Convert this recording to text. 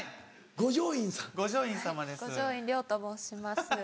五条院凌と申します。